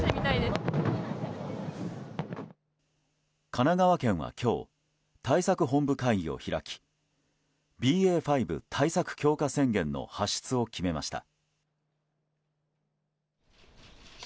神奈川県は今日対策本部会議を開きＢＡ．５対策強化宣言の発出を決めました。